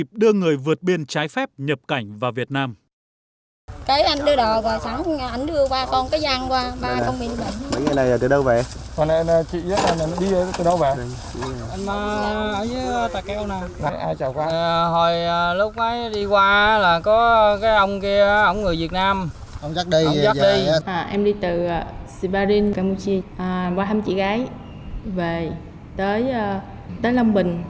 em đi từ sibarin campuchia qua hai mươi chị gái về tới long bình